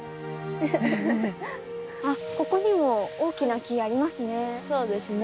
あここにも大きな木ありますね。